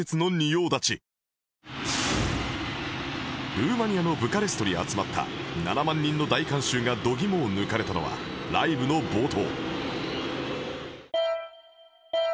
ルーマニアのブカレストに集まった７万人の大観衆が度肝を抜かれたのはライブの冒頭